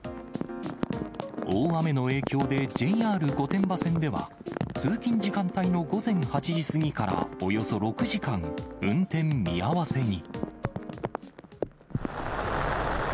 大雨の影響で、ＪＲ御殿場線では、通勤時間帯の午前８時過ぎからおよそ６時間、運転見合わせに。